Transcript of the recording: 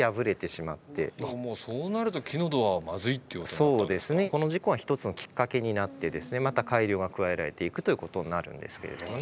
もうそうなるとこの事故が一つのきっかけになってまた改良が加えられていくということになるんですけれどもね。